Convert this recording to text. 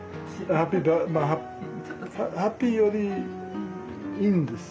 ハッピーよりいいんですよ。